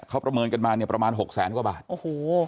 เขาประเมินกันมาเนี่ยประมาณหกแสนกว่าบาทโอ้โห